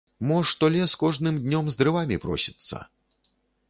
Мо што лес кожным днём з дрывамі просіцца.